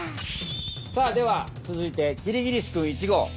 さあではつづいてキリギリスくん１号。